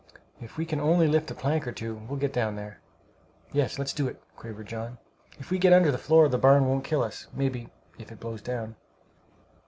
If we can only lift up a plank or two, we'll get down there." "Yes, let's do it!" quavered John. "If we get under the floor the barn won't kill us, maybe, if it blows down."